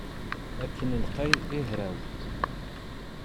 Akken lqay i hraw.